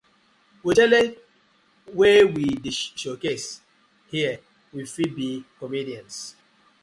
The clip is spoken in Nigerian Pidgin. With talent wey we dey show case here we fit be comedians.